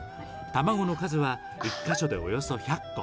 卵の数は１か所でおよそ１００個。